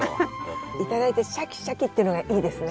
いただいてシャキシャキっていうのがいいですね。